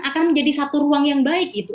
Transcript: akan menjadi satu ruang yang baik gitu